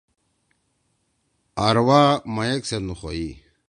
آرواح مئیک سیت نُخوئی۔